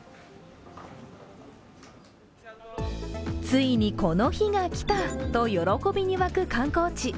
ついにこの日が来たと喜びに沸く観光地。